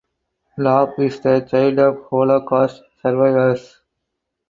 Lob is the child of Holocaust survivors.